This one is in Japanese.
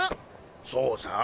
そうさ。